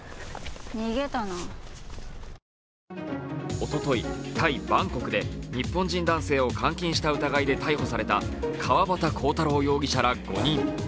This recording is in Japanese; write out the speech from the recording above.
おととい、タイ・バンコクで日本人男性を監禁した疑いで逮捕された川端浩太郎容疑者ら５人。